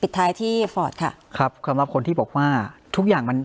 ท้ายที่ฟอร์ตค่ะครับสำหรับคนที่บอกว่าทุกอย่างมัน